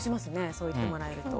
そう言ってもらえると。